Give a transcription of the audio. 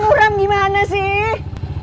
pak muram gimana sih